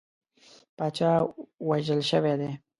پاچا وژل شوی دی.